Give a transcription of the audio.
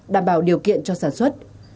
đảm bảo điều kiện cho sản xuất